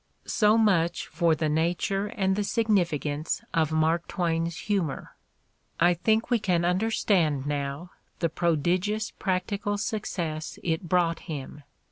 So much for the nature and the significance of Mark 2i8 The Ordeal of Mark Twain Twain's humor. I think we can understand now the prodigious practical success it brought him.